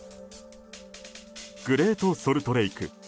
グレートソルトレーク。